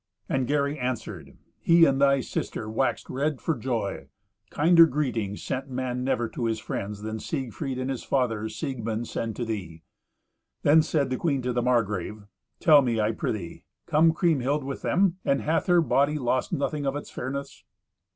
And Gary answered, "He and thy sister waxed red for joy. Kinder greeting sent man never to his friends than Siegfried and his father Siegmund send to thee." Then said the queen to the Margrave, "Tell me, I prithee; cometh Kriemhild with them? And hath her body lost nothing of its fairness?"